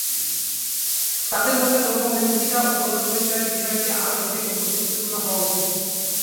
তাদের মতে "যৌন অভিমুখিতা ও যৌন পরিচয়ের বিষয়টি আরও জটিল ও বৈচিত্র্যপূর্ণ হওয়া উচিত।"